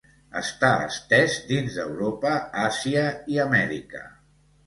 Està estès dins d'Europa, Àsia i Amèrica.